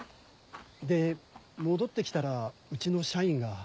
で戻って来たらうちの社員が。